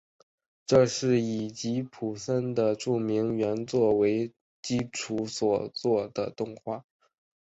这是以吉卜林的著名原作为基础所做的动画。